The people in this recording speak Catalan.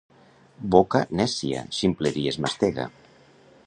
Boca nècia, ximpleries mastega.